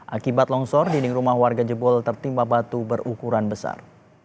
akibat longsor dinding rumah warga jebol tertimpa batu berukuran besar